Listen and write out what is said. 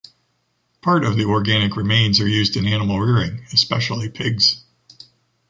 Part of the organic remains are used in animal rearing, especially pigs.